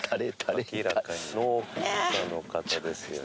農家の方ですよね。